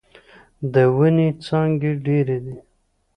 د ونې څانګې ډيرې دې.